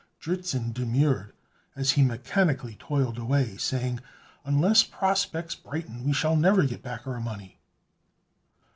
Dritzhn demurred, as he mechanically toiled away, saying, "Unless prospects brighten, we shall never get back our money."